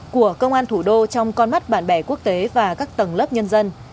của công an tp trong con mắt bạn bè quốc tế và các tầng lớp nhân dân